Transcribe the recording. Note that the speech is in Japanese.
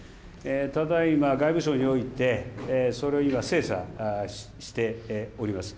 ただいま外務省において精査しております。